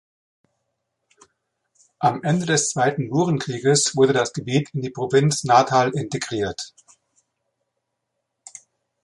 Am Ende des Zweiten Burenkrieges wurde das Gebiet in die Provinz Natal integriert.